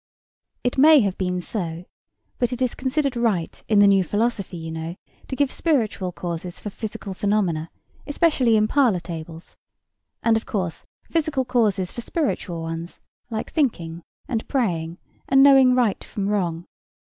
It may have been so; but it is considered right in the new philosophy, you know, to give spiritual causes for physical phenomena—especially in parlour tables; and, of course, physical causes for spiritual ones, like thinking, and praying, and knowing right from wrong.